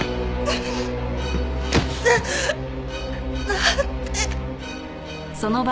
なんで。